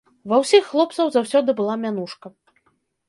Ва ўсіх хлопцаў заўсёды была мянушка.